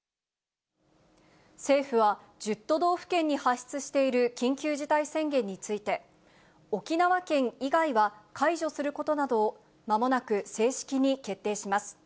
政府は、１０都道府県に発出している緊急事態宣言について、沖縄県以外は解除することなどを、まもなく正式に決定します。